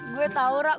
gue tahu rak